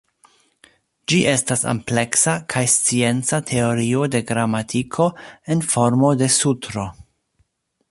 Ĝi estas ampleksa kaj scienca teorio de gramatiko en formo de sutro.